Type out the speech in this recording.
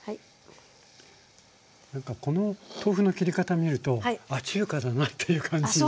なんかこの豆腐の切り方見るとあっ中華だなっていう感じがします。